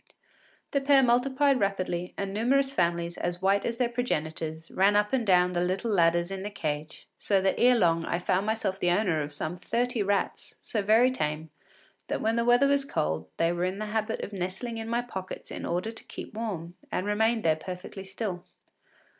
The pair multiplied rapidly, and numerous families, as white as their progenitors, ran up and down the little ladders in the cage, so that ere long I found myself the owner of some thirty rats so very tame that when the weather was cold they were in the habit of nestling in my pockets in order to keep warm, and remained there perfectly still.